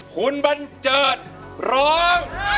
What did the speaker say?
คุณบันเจิดร้อง